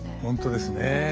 本当ですね。